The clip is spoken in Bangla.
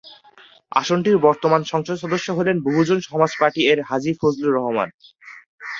আসনটির বর্তমান সংসদ সদস্য হলেন বহুজন সমাজ পার্টি-এর হাজি ফজলুর রহমান।